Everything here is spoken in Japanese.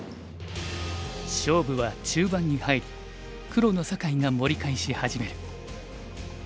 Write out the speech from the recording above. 勝負は中盤に入り黒の酒井が盛り返し始める。